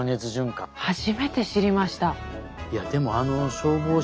初めて知りました。